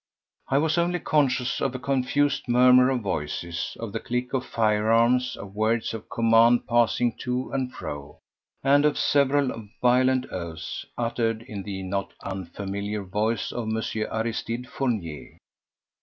I was only conscious of a confused murmur of voices, of the click of firearms, of words of command passing to and fro, and of several violent oaths uttered in the not unfamiliar voice of M. Aristide Fournier.